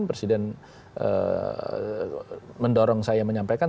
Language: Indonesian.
presiden mendorong saya menyampaikan